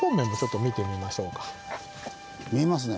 見えますね。